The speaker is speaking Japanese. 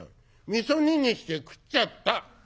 「みそ煮にして食っちゃった」。